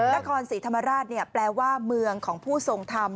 นครศรีธรรมราชแปลว่าเมืองของผู้ทรงธรรม